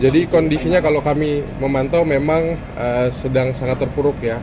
jadi kondisinya kalau kami memantau memang sedang sangat terpuruk ya